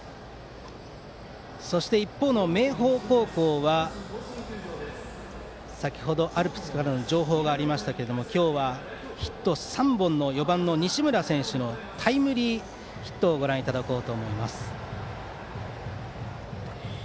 そして、一方の明豊高校は先程アルプスからの情報がありましたが今日はヒット３本の４番の西村選手のタイムリーヒットをご覧いただきます。